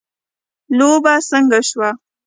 لوبه څنګه شوه